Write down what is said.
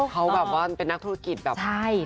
เขาเป็นนักธรุดกิจงานแบบดี